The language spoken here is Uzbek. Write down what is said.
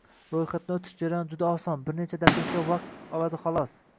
Ro’yxatdan o’tish jarayoni juda oson, bir necha daqiqa vaqt oladi, xolos